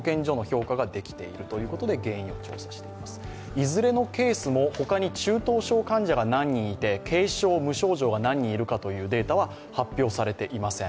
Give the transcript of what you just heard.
いずれのケースも他に中等症患者が何人いて軽症・無症状が何人いるかというデータは発表されていません。